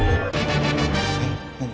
えっ何？